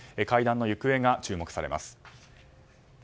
会談の行方が注目されます。